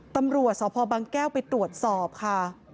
ตำรวจสพบางแก้วไปตรวจสอบค่ะ